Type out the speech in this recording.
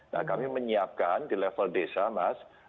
nah kami menyiapkan di level desa mas